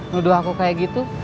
nuduh aku kayak gitu